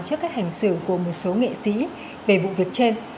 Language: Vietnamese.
trước cách hành xử của một số nghệ sĩ về vụ việc trên